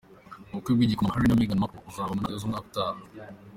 Ubukwe bw’igikomangoma Harry na Meghan Markle, buzaba mu ntangiriro z’umwaka utaha.